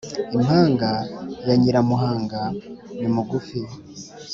impanga ya nyiramuhanga ni mugufi